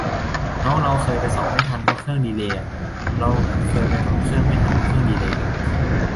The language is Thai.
น้องเราเคยไปสอบไม่ทันเพราะเครื่องดีเลย์อะ เราก็เคยไปต่อเครื่องไม่ทันเพราะเครื่องดีเลย์